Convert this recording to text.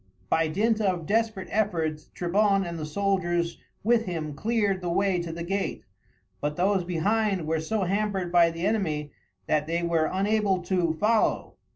By dint of desperate efforts Trebon and the soldiers with him cleared the way to the gate, but those behind were so hampered by the enemy that they were unable to follow.